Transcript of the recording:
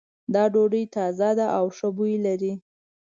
دا ډوډۍ تازه ده او ښه بوی لری